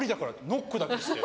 ノックだけして。